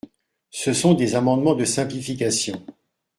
Ce sont des amendements de simplification.